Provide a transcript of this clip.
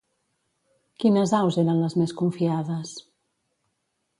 Quines aus eren les més confiades?